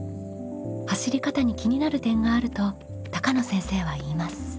走り方に気になる点があると高野先生は言います。